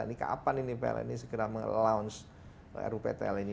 ini kapan pln ini segera melounge ruptl ini